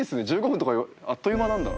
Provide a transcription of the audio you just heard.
１５分とかあっという間なんだ。